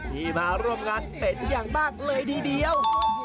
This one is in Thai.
ที่มาร่วมงานเป็นอย่างมากเลยทีเดียว